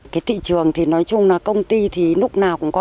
cái thị trường thì nói chung là công ty thì lúc nào cũng có